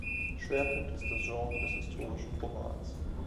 Schwerpunkt ist das Genre des Historischen Romans.